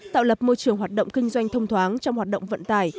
tạo lập môi trường hoạt động kinh doanh thông thoáng trong hoạt động vận tải